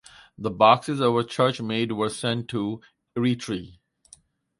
The boxes our church made were sent to Eritrea.